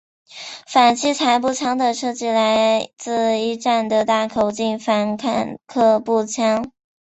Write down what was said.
反器材步枪的设计来自一战的大口径反坦克步枪。